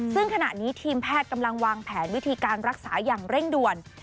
ซึ่งขณะนี้ทีมแพทย์กำลังวางแผนวิธีการรักษาอย่างเร่งด่วน